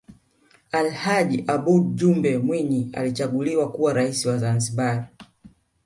alhaj aboud jumbe mwinyi alichaguliwa kuwa raisi wa zanzibar